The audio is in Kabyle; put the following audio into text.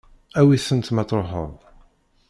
Awi-tent ma tṛuḥeḍ.